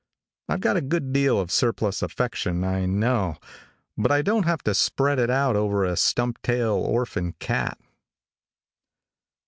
I've got a good deal of surplus affection, I know, but I don't have to spread it out over a stump tail orphan cat.